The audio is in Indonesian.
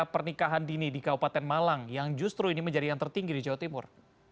pernikahan dini di kabupaten malang yang justru ini menjadi yang tertinggi di jawa timur